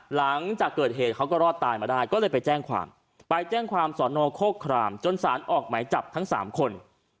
หลังจากเกิดเหตุเขาก็รอดตายมาได้ก็เลยไปแจ้งความไปแจ้งความสอนอโครครามจนสารออกหมายจับทั้ง๓คน